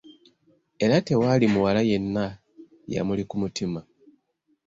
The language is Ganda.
Era tewaali muwala yenna yamuli ku mutima.